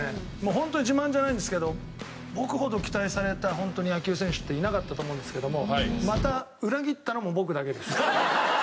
ホントに自慢じゃないんですけど僕ほど期待された野球選手っていなかったと思うんですけどもまた裏切ったのも僕だけです。